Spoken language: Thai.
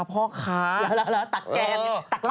สนับสนุนโดยดีที่สุดคือการให้ไม่สิ้นสุด